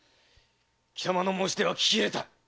貴様の申し出は聞き入れた。